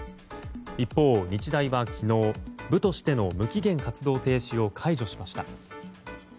一方、日大は昨日、部としての無期限活動停止を解除しました。